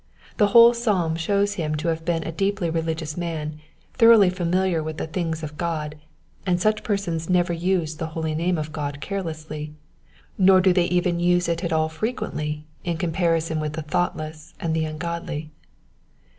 The whole psalm shows him to have been a deeply religious man, thoroughly familiar with the things of God ; and such persons never use the holy name of God carelessly, nor do they even use it at all frequently in comparison with the thoughtless and the ungodly.